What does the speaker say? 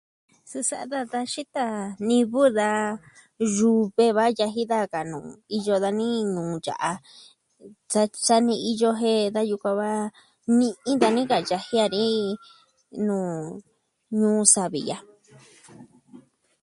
Sa sa'a daa da xita nivɨ, da yuve va yaji daa ka nuu iyo dani nuu ya'a. Sa... sa ni iyo jen da yukuan va ni'i inka ni ka yaji a ni, nuu... Ñuu savi ya'a.